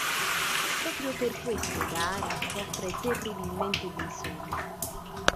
Proprio per questo Gaara soffre terribilmente di insonnia.